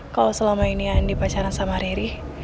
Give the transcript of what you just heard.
kalau selama ini andi pacaran sama riri